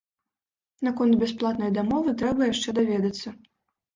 Наконт бясплатнай дамовы трэба яшчэ даведацца.